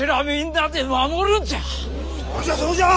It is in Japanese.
そうじゃそうじゃ！